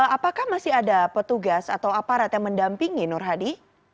apakah masih ada petugas atau aparat yang mendampingi nur hadi